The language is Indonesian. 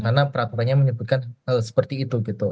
karena peraturan menyebutkan seperti itu gitu